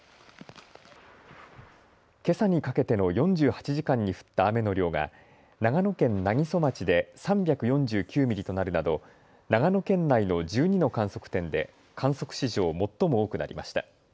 けさにかけての４８時間に降った雨の量が長野県南木曽町で３４９ミリとなるなど長野県内の１２の観測点で観測史上最も多くなりました。